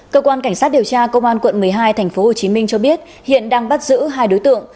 cơ quan cảnh sát điều tra công an quận một mươi hai tp hcm cho biết hiện đang bắt giữ hai đối tượng